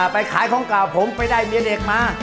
ไปขายของเก่าผมไปได้เมียเด็กมา